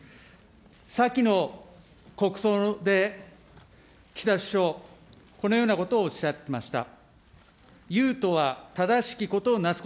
さきの国葬で岸田首相、このようなことをおっしゃってました。